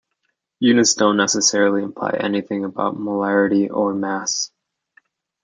Units don't necessarily imply anything about molarity or mass.